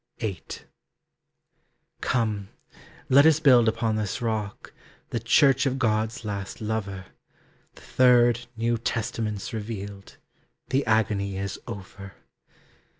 VIII. Come, let us build upon this rock, The Church of God's last lover, The third New Testament's revealed, The agony is over.